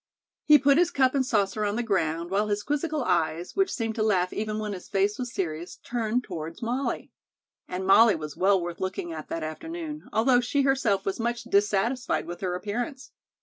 He put his cup and saucer on the ground, while his quizzical eyes, which seemed to laugh even when his face was serious, turned toward Molly. And Molly was well worth looking at that afternoon, although she herself was much dissatisfied with her appearance.